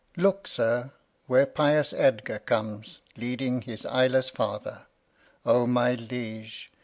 Alb. Look, Sir, where pious Edgar comes, Leading his Eye less Father. O my Liege